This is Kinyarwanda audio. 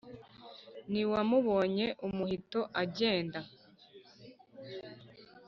nu wamubonye umuhito agenda,